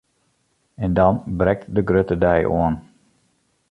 En dan brekt de grutte dei oan!